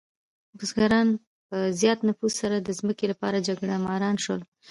بزګران په زیات نفوس سره د ځمکې لپاره جګړهماران شول.